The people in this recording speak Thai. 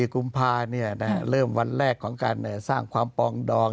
กุมภาเริ่มวันแรกของการสร้างความปองดอง